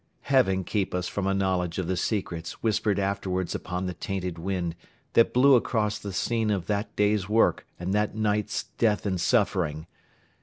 Heaven keep us from a knowledge of the secrets whispered afterwards upon the tainted wind that blew across the scene of that day's work and that night's death and suffering!